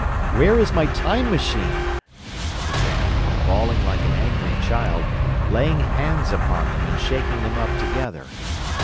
'Where is my Time Machine?' I began, bawling like an angry child, laying hands upon them and shaking them up together.